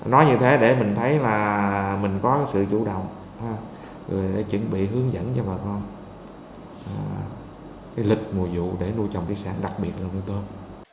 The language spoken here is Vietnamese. nói như thế để mình thấy là mình có sự chủ động để chuẩn bị hướng dẫn cho bà con cái lịch mùa vụ để nuôi trồng thủy sản đặc biệt là nuôi tôm